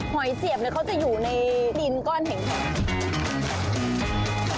หอยเสียบเขาจะอยู่ในดินก้อนแห่ง